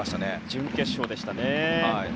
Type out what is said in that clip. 準決勝でしたね。